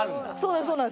そうなんです。